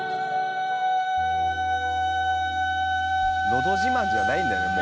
のど自慢じゃないんじゃない？